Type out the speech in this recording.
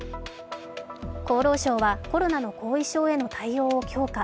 厚労省はコロナの後遺症への対応を強化。